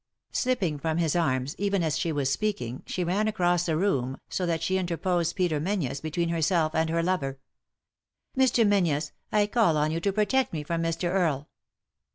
Slipping from his arms, even as she was speaking, she ran across the room, so that she interposed Peter Menzies between herself and her lover, " Mr. Menzies, I call on you to protect me from Mr. Earle."